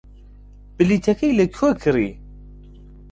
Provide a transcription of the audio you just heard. بلیتەکەی لەکوێ کڕی؟